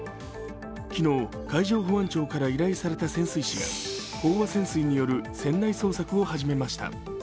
昨日、海上保安庁から依頼された潜水士が飽和潜水による船内捜索を始めました。